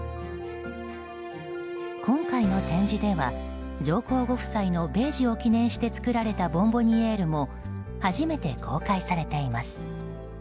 今回の展示では、上皇ご夫妻の米寿を記念して作られたボンボニエールも初めて公開されています。